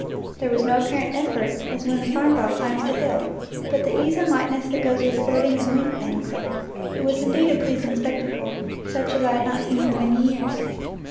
There was no apparent effort, as when the farm dog climbs the hill, but the ease and lightness that goes with floating and winged things. It was indeed a pleasing spectacle, such as I had not seen for many years.